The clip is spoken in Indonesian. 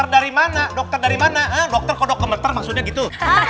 dari mana dokter dari mana maksudnya gitu